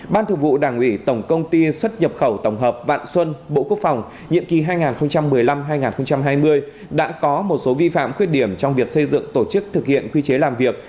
ban thường vụ đảng ủy tổng công ty xuất nhập khẩu tổng hợp vạn xuân bộ quốc phòng nhiệm kỳ hai nghìn một mươi năm hai nghìn hai mươi đã có một số vi phạm khuyết điểm trong việc xây dựng tổ chức thực hiện quy chế làm việc